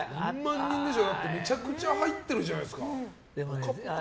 めちゃくちゃ入ってるじゃないですか。